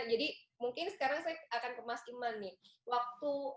jadi mungkin sekarang saya akan ke mas iman nih